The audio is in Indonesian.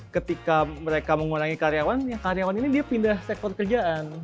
ketika mereka mengurangi karyawannya karyawan ini dia pindah sektor kerjaan